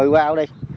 một mươi bao đi